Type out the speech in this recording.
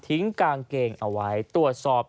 กางเกงเอาไว้ตรวจสอบ